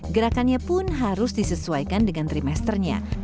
gerakannya pun harus disesuaikan dengan trimesternya